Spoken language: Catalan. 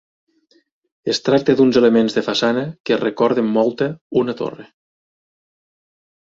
Es tracta d'uns elements de façana que recorden molta una torre.